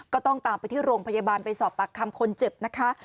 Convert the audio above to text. ก็ต้องตามไปที่โรงพยาบาลไปสอบปากคำคนเจ็บนะคะ